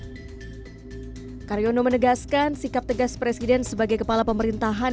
di ujung masa jabatannya karyono menegaskan sikap tegas presiden sebagai kepala pemerintahan